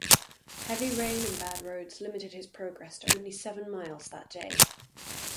Heavy rain and bad roads limited his progress to only seven miles that day.